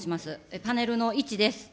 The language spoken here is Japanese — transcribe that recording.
パネルの１です。